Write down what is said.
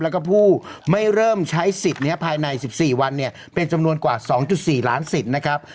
แล้วก็ผู้ไม่เริ่มใช้สิทธิ์เนี่ยภายในสิบสี่วันเนี่ยเป็นจำนวนกว่าสองจุดสี่ล้านสิทธิ์นะครับ